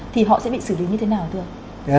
thì họ sẽ bị xử lý như thế nào thưa ông